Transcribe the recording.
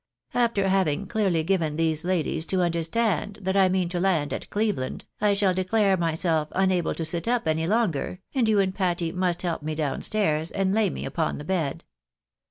After having clearly given these ladies to understand that I mean to land at Cleveland, I shall declare myself unable to sit up any longer, and you and Patty must help me down stairs, and lay me upon the bed.